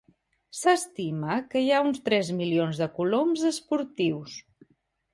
S’estima que hi ha uns tres milions de coloms esportius.